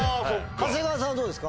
長谷川さんはどうですか？